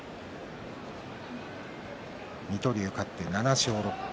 水戸龍、勝って７勝６敗。